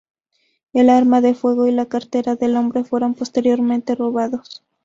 El arma de fuego y la cartera del hombre fueron posteriormente robados.